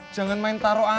jangan main taruh aja